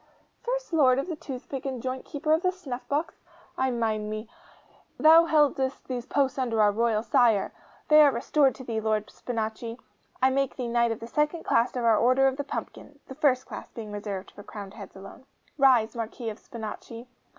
'First Lord of the Toothpick and Joint Keeper of the Snuffbox? I mind me! Thou heldest these posts under our royal Sire. They are restored to thee, Lord Spinachi! I make thee knight of the second class of our Order of the Pumpkin (the first class being reserved for crowned heads alone). Rise, Marquis of Spinachi!